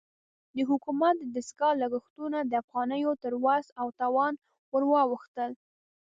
د حکومت د دستګاه لګښتونه د افغانیو تر وس او توان ورواوښتل.